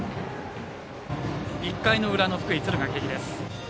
１回の裏の福井・敦賀気比です。